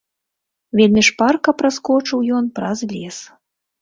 Вельмі шпарка праскочыў ён праз лес.